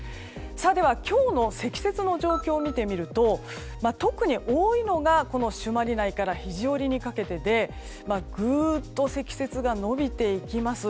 では、今日の積雪の状況を見てみると特に多いのが朱鞠内から肘折にかけてでグーッと積雪が伸びていきます。